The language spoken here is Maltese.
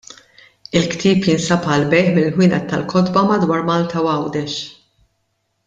Il-ktieb jinsab għall-bejgħ mill-ħwienet tal-kotba madwar Malta u Għawdex.